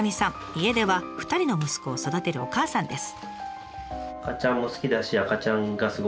家では２人の息子を育てるお母さんです。